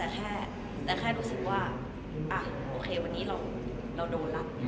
แต่แค่รู้สึกว่าโอเควันนี้เราโดนแล้ว